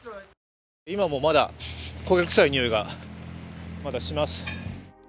今もまだ、焦げ臭いにおいがまだします。